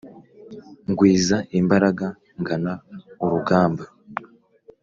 Ngwiza imbaraga ngana urugamba.